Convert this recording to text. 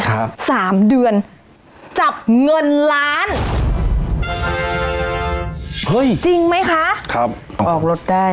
ครับสามเดือนจับเงินล้านเฮ้ยจริงไหมคะครับออกรถได้